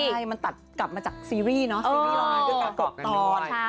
ใช่มันตัดกลับมาจากซีรีส์นะ